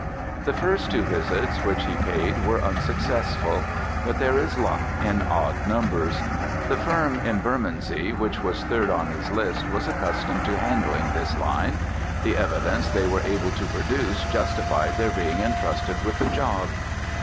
The first two visits which he paid were unsuccessful: but there is luck in odd numbers. The firm in Bermondsey which was third on his list was accustomed to handling this line. The evidence they were able to produce justified their being entrusted with the job.